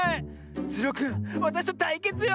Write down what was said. ズルオくんわたしとたいけつよ！